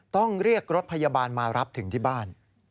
ต้องเรียกรถพยาบาลมารับถึงที่บ้าน